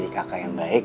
seseorang yang baik